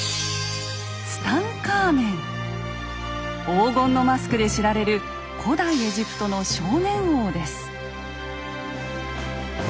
黄金のマスクで知られる古代エジプトの少年王です。